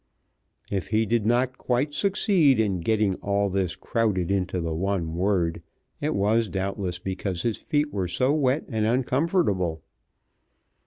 If he did not quite succeed in getting all this crowded into the one word it was doubtless because his feet were so wet and uncomfortable.